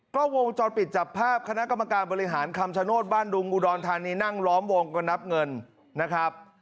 ก็วงจรปิดจับภาพคณะกรรมการบริหารคำชโนธบ้านดุงอุดรธานีนั่งล้อมวงก็นับเงินนะครับ